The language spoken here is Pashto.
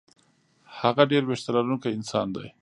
هغه ډېر وېښته لرونکی انسان دی.